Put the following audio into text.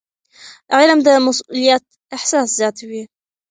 علم د مسؤلیت احساس زیاتوي.